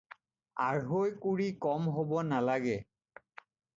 আঢ়ৈ কুৰি কম হ'ব নালাগে।